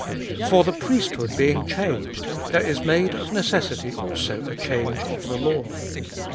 For the priesthood being changed, there is made of necessity also a change of the law.